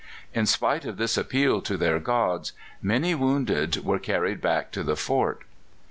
In spite of this appeal to their gods, many wounded were carried back to the fort.